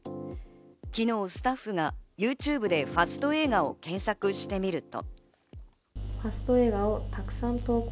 昨日スタッフがＹｏｕＴｕｂｅでファスト映画を検索してみると。